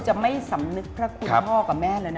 จะไม่สำนึกพระคุณพ่อกับแม่แล้วนะ